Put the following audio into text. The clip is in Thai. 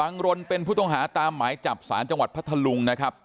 รนเป็นผู้ต้องหาตามหมายจับสารจังหวัดพัทธลุงนะครับ